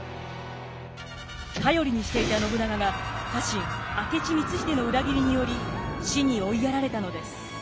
頼りにしていた信長が家臣明智光秀の裏切りにより死に追いやられたのです。